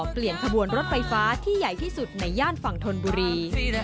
เปลี่ยนขบวนรถไฟฟ้าที่ใหญ่ที่สุดในย่านฝั่งธนบุรี